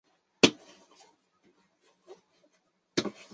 与丈夫张英哲常共同撰写电视剧剧本。